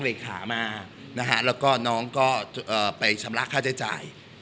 ห่วงความปลอดภัยของตัวเองมากที่สุด